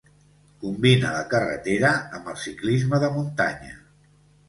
Combina la carretera amb el ciclisme de muntanya.